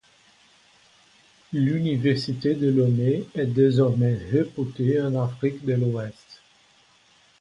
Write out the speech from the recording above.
L'université de Lomé est désormais réputée en Afrique de l'Ouest.